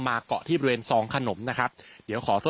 และก็คือว่าถึงแม้วันนี้จะพบรอยเท้าเสียแป้งจริงไหม